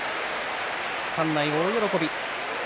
館内大喜び。